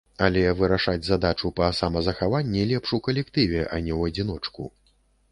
Але вырашаць задачу па самазахаванні лепш у калектыве, а не ў адзіночку.